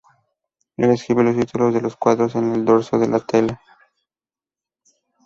Él escribe los títulos de los cuadros en el dorso de la tela.